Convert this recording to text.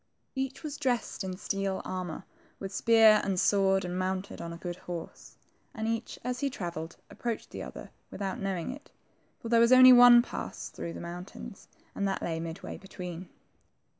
Each was dressed in steel armor, with spear and sword, and mounted on a good horse ; and each, as he travelled, approached the other without knowing it, for there was only one pass through the moun tains, and that lay midway between.